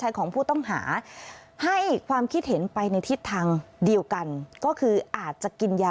อย่างไรก็ตามในระหว่างที่รอพิสูจน์ว่าในแม็กซ์เนี่ย